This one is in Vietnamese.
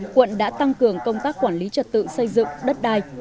quận đã tăng cường công tác quản lý trật tự xây dựng đất đai